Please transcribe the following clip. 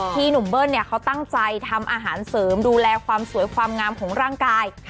หนุ่มเบิ้ลเขาตั้งใจทำอาหารเสริมดูแลความสวยความงามของร่างกาย